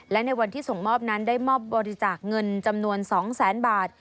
และในวันที่ส่งมอบนั้นได้มอบบริจาคเงินจำนวน๒แสนบาท